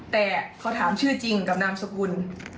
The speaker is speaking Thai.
แต่เขาถามชื่อจริงกับนามสกุล